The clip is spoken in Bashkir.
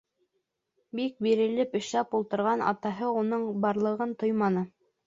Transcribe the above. Бик бирелеп эшләп ултырған атаһы уның барлығын тойманы.